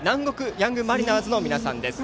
ヤングマリナーズの選手たちです。